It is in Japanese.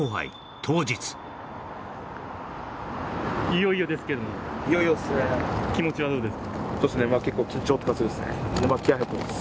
いよいよですけども気持ちはどうですか？